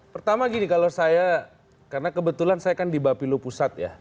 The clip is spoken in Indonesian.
pertama gini kalau saya karena kebetulan saya kan di bapilu pusat ya